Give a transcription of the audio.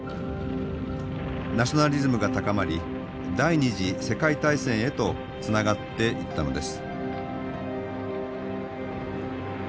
ナショナリズムが高まり第２次世界大戦へとつながっていったのです。